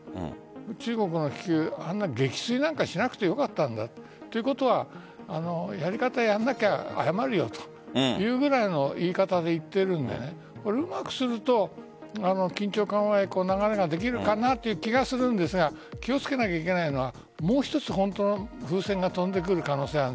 中国は撃墜なんかしなくてよかったんだということはやり方を取らなければ謝るよというくらいの言い方で言っているからうまくすると緊張緩和の流れができるかなという気がするんですが気をつけなければいけないのは本当の気球が飛んでくる可能性がある。